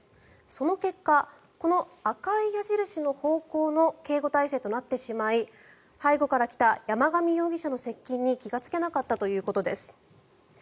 その結果、この赤い矢印の方向の警護体制となってしまい背後から来た山上容疑者の接近に気がつけなかったということです。